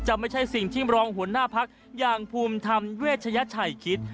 ไม่ใช่สิ่งที่รองหัวหน้าพักอย่างภูมิธรรมเวชยชัยคิด